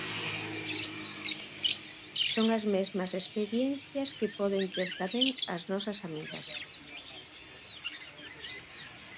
Son as mesmas experiencias que poden ter tamén as nosas amigas.